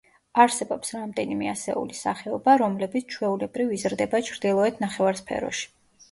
არსებობს რამდენიმე ასეული სახეობა, რომლებიც ჩვეულებრივ იზრდება ჩრდილოეთ ნახევარსფეროში.